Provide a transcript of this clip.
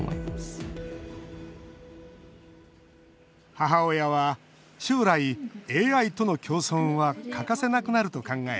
母親は将来、ＡＩとの共存は欠かせなくなると考え